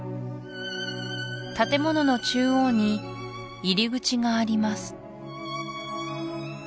建物の中央に入り口があります